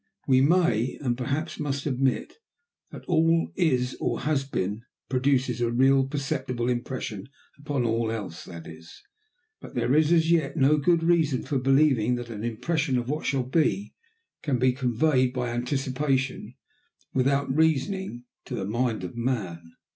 We may, and perhaps must, admit that all that is or has been produces a real and perceptible impression upon all else that is. But there is as yet no good reason for believing that an impression of what shall be can be conveyed by anticipation without reasoning to the mind of man.